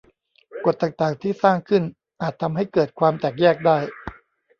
กฎต่าง ๆ ที่สร้างขึ้น อาจทำให้เกิดความแตกแยกได้